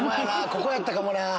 ここやったかもな。